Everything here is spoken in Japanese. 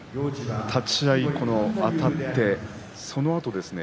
立ち合いあたってそのあとですね。